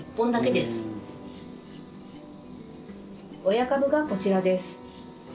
親株がこちらです。